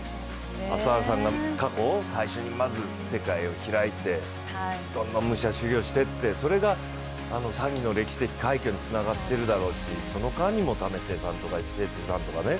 朝原さんが過去、最初にまず世界を開いてどんどん武者修行していって、あれがサニの歴史的快挙につながってるだろうしその間にも為末さんとか末續さんとかね。